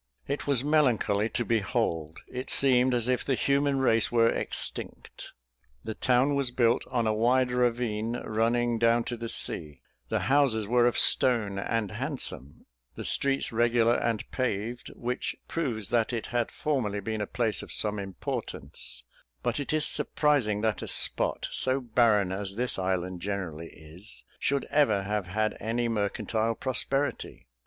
It was melancholy to behold: it seemed as if the human race were extinct. The town was built on a wide ravine running down to the sea; the houses were of stone, and handsome; the streets regular and paved, which proves that it had formerly been a place of some importance; but it is surprising that a spot so barren as this island generally is should ever have had any mercantile prosperity.